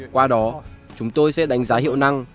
qua đó chúng tôi sẽ đánh giá hiệu năng